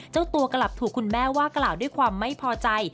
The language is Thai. เจ้าตัวกลับถูกคุณแม่ว่ากล่าวด้วยความไม่พอใจ